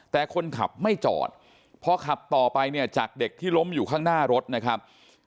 แต่คนขับไม่จอดพอขับต่อไปเนี่ยจากเด็กที่ล้มอยู่ข้างหน้ารถนะครับ